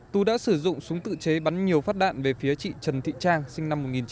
tú đã sử dụng súng tự chế bắn nhiều phát đạn về phía chị trần thị trang sinh năm một nghìn chín trăm tám mươi